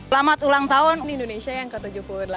selamat ulang tahun indonesia yang ke tujuh puluh delapan